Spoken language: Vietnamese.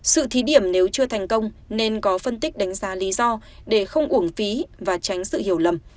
sự thí điểm nếu chưa thành công nên có phân tích đánh giá lý do để không uổng phí và tránh sự hiểu lầm